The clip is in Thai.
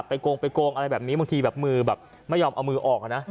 โกงไปโกงอะไรแบบนี้บางทีแบบมือแบบไม่ยอมเอามือออกนะ